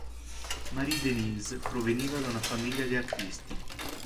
Marie-Denise proveniva da una famiglia di artisti.